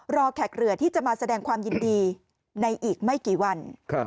แขกเรือที่จะมาแสดงความยินดีในอีกไม่กี่วัน